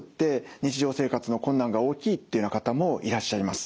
日常生活の困難が大きいっていうような方もいらっしゃいます。